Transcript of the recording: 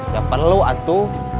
gak perlu antu